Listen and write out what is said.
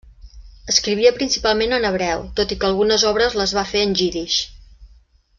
Escrivia principalment en hebreu, tot i que algunes obres les va fer en jiddisch.